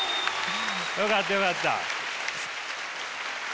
よかったよかった！